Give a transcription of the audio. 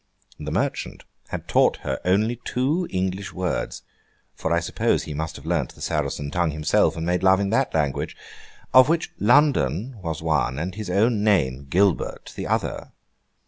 The merchant had taught her only two English words (for I suppose he must have learnt the Saracen tongue himself, and made love in that language), of which London was one, and his own name, Gilbert, the other.